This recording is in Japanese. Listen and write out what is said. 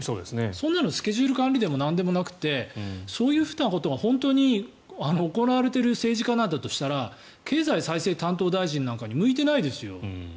そんなのスケジュール管理でもなんでもなくてそういうことが本当に行われている政治家なんだとしたら経済再生担当大臣なんかに向いてないですよ。